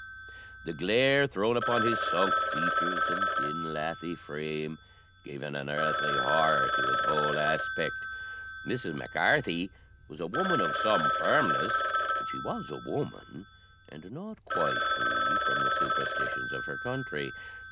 The glare thrown upon his sunk features and thin lathy frame gave an unearthy horror to his whole aspect. Mrs. Mac Carthy was a woman of some firmness; but she was a woman, and not quite free from the superstitions of her country.